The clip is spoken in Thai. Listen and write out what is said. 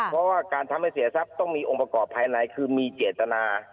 เพราะว่าการทำให้เสียทรัพย์ต้องมีองค์ประกอบภายในคือมีเจตนา